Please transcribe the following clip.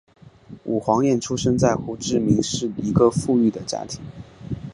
武黄燕出生在胡志明市一个富裕的家庭。